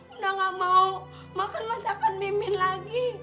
udah nggak mau makan masakan mimin lagi